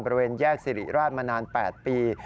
บริเวณแยกสิริราชมานาน๘ปี